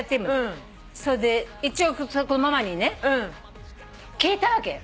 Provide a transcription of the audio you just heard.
それで一応ママにね聞いたわけ。